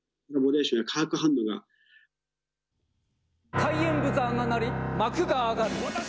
開演ブザーが鳴り、幕が上がる。